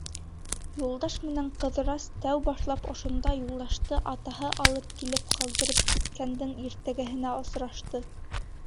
Юлдаш менән Ҡыҙырас тәү башлап ошонда Юлдашты атаһы алып килеп ҡалдырып киткәндең иртәгеһенә осрашты.